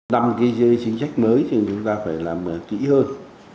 đăng cái chính sách mới thì chúng ta phải làm kỹ hơn